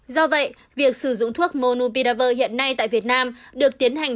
do vậy việc sử dụng thuốc monopiravir hiện nay tại việt nam được tiến hành